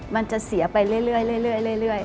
มันจะเสียไปเรื่อย